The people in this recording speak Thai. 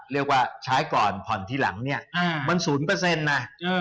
เรียกว่าใช้ก่อนผ่อนทีหลังเนี่ยมัน๐นะ